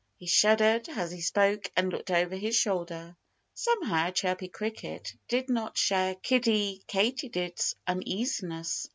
He shuddered as he spoke and looked over his shoulder. Somehow Chirpy Cricket did not share Kiddie Katydid's uneasiness.